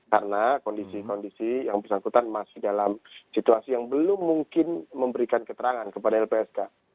karena kondisi kondisi yang bersangkutan masih dalam situasi yang belum mungkin memberikan keterangan kepada lpsk